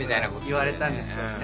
言われたんですけどね。